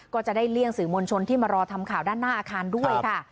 ก็จะได้เลี่ยงสื่อมวลชนที่มารอทำข่าวด้านหน้าอาคารด้วยค่ะ